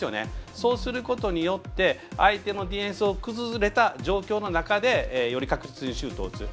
そうすることによって相手のディフェンスが崩れた状況の中でより確実にシュートを決める。